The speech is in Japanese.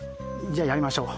じゃあやりましょう。